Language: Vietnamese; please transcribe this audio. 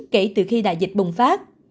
kể từ khi đại dịch bùng phát